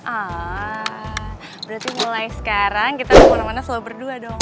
ah berarti mulai sekarang kita kemana mana selalu berdua dong